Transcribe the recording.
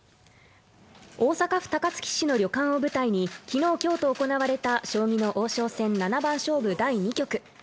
大阪府高槻市の旅館を舞台に昨日、今日と行われた将棋の王将戦七番勝負第２局。